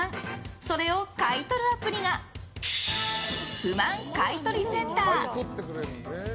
それを買い取るアプリが不満買取センター。